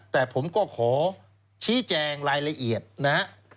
แต่ผมก็ขอชี้แจงรายละเอียดนะฮะ